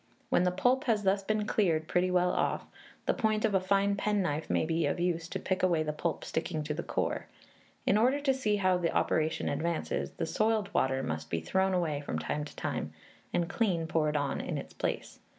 When the pulp has thus been cleared pretty well off, the point of a fine penknife may be of use to pick away the pulp sticking to the core. In order to see how the operation advances, the soiled water must be thrown away from time to time, and clean poured on in its place.